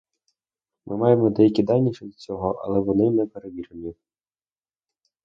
Ми маємо деякі дані щодо цього, але вони не перевірені.